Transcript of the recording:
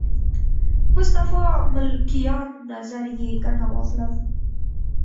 مصطفی ملکیان نظریې ګټه واخلم.